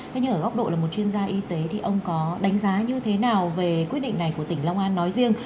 thế nhưng ở góc độ là một chuyên gia y tế thì ông có đánh giá như thế nào về quyết định này của tỉnh long an nói riêng